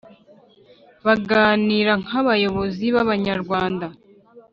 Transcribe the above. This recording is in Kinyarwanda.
baganira nk abayobozi b Abanyarwanda